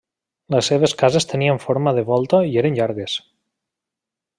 Les seves cases tenien forma de volta i eren llargues.